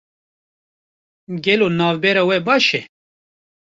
Gelo navbera we baş e?